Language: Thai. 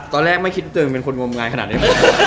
ตอนแรกไม่คิดถึงเป็นคนงบงานขนาดนี้